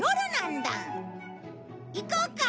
行こうか。